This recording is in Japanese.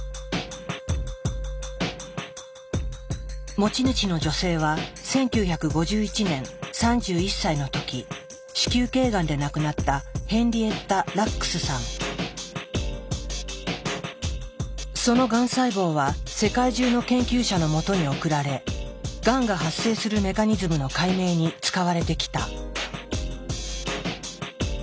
持ち主の女性は１９５１年３１歳の時子宮けいがんで亡くなったそのがん細胞は世界中の研究者のもとに送られがんが発生するメカニズムの解明に使われてきた。